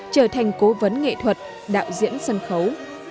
trở thành cố vấn nghệ thuật đạo diễn sân khấu